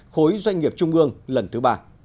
khối doanh nghiệp trung ương lần thứ ba